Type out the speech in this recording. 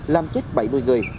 làm chết bảy mươi người